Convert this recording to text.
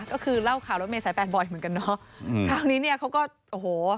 ก็คือเล่าข่าวรถเมษายแปดบ่อยเหมือนกันเนอะอืมคราวนี้เนี่ยเขาก็โอ้โห